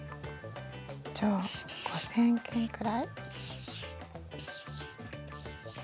じゃあ５０００件くらい？